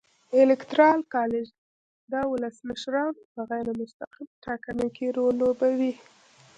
الېکترال کالج د ولسمشرانو په غیر مستقیمه ټاکنه کې رول لوبوي.